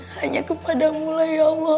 hanya kepadamulah ya allah